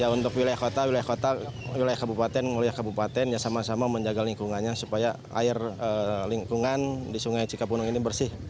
untuk wilayah kota wilayah kota wilayah kabupaten wilayah kabupaten ya sama sama menjaga lingkungannya supaya air lingkungan di sungai cikapundung ini bersih